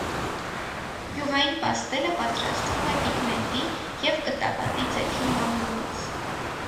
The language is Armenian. Յուղային պաստելը պատրաստվում է պիգմենտի և կտավատի ձեթի մամլումից։